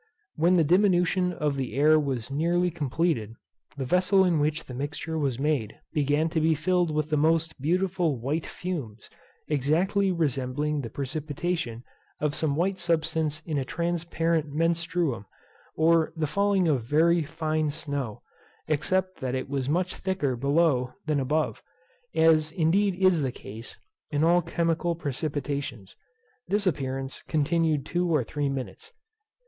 When the diminution of the air was nearly completed, the vessel in which the mixture was made began to be filled with the most beautiful white fumes, exactly resembling the precipitation of some white substance in a transparent menstruum, or the falling of very fine snow; except that it was much thicker below than above, as indeed is the case in all chemical precipitations. This appearance continued two or three minutes.